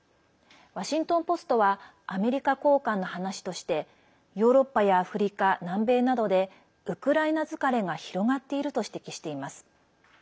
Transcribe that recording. ワシントン・ポストはアメリカ高官の話としてヨーロッパやアフリカ南米などでウクライナ疲れが広がっていると指摘しています。